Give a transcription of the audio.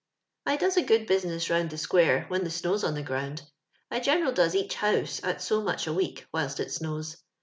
I does a good business round the square when the snow 's on the ground. I generd does each house at so much a week whilst it snows.